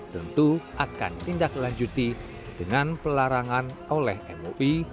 tentu akan tindak lanjuti dengan pelarangan oleh mui